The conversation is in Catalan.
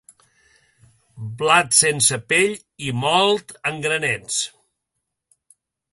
Blat sense pell i mòlt en granets.